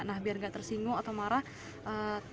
nah biar gak tersinggung atau mengalami penyakit